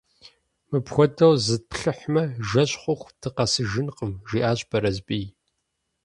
– Мыпхуэдэу зытплъыхьмэ, жэщ хъуху дыкъэсыжынкъым, – жиӀащ Бэрэсбий.